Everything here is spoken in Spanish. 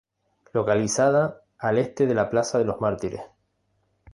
Localizada al este de la Plaza de los Mártires.